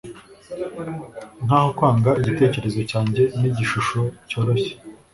nkaho kwanga igitekerezo cyanjye nigishusho cyoroshye